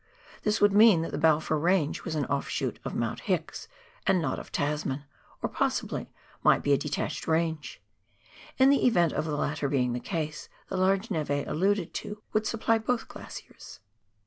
This would mean that the Balfour Range was an offshoot of Mount Hicks and not of Tasman, or possibly might be a detached range. In the event of the latter being the case the large neve alluded to would supply both glaciers.